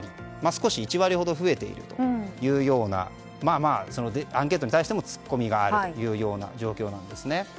少し１割ほど増えているというアンケートに対してもツッコミがあるというような状況です。